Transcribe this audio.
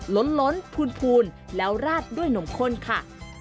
ล้นพูนแล้วราดด้วยนมข้นค่ะ